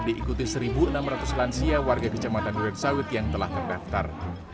diikuti satu enam ratus lansia warga kecamatan durensawit yang telah terdaftar